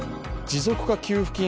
持続化給付金